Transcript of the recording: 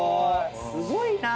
すごいな。